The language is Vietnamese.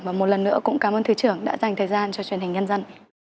và một lần nữa cũng cảm ơn thứ trưởng đã dành thời gian cho truyền hình nhân dân